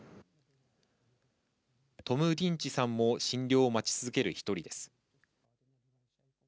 トム・リンチさんも診療を待ち続ける一人です。